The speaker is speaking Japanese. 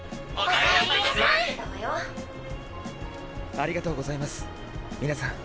ありがとうございます皆さん。